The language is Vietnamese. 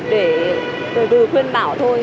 để từ từ khuyên bảo thôi